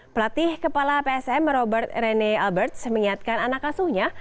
pelatih kepala psm robert rene alberts mengingatkan anak asuhnya